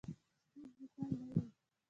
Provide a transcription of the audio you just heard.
ستونزې تل نه وي .